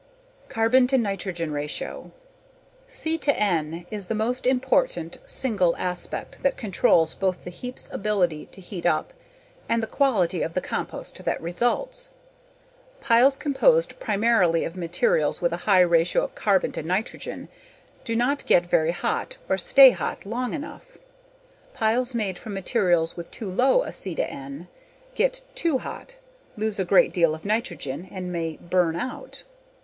Carbon to nitrogen ratio. C/N is the most important single aspect that controls both the heap's ability to heat up and the quality of the compost that results. Piles composed primarily of materials with a high ratio of carbon to nitrogen do not get very hot or stay hot long enough. Piles made from materials with too low a C/N get too hot, lose a great deal of nitrogen and may "burn out."